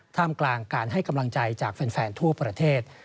ท่ามกลางการให้กำลังใจจากแฟนทั่วประเทศ